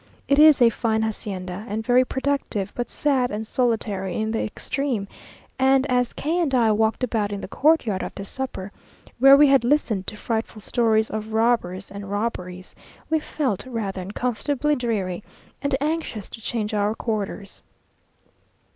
It is a fine hacienda, and very productive, but sad and solitary in the extreme, and as K and I walked about in the courtyard after supper, where we had listened to frightful stories of robbers and robberies, we felt rather uncomfortably dreary, and anxious to change our quarters.